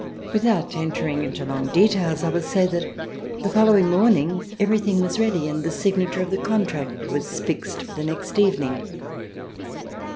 Without entering into long details, I will say that the following morning everything was ready and the signature of the contract was fixed for the next evening.